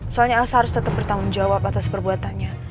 soalnya elsa harus tetap bertanggung jawab atas perbuatannya